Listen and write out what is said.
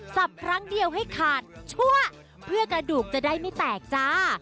ครั้งเดียวให้ขาดชั่วเพื่อกระดูกจะได้ไม่แตกจ้า